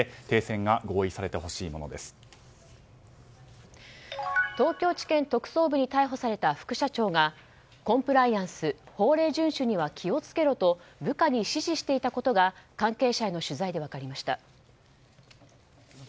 東京地検特捜部に逮捕された副社長がコンプライアンス法令順守には気を付けろと部下に指示していたことが関係者への取材で分かりました。